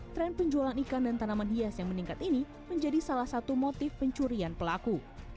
tren penjualan ikan dan tanaman hias yang meningkat ini menjadi salah satu motif pencurian pelaku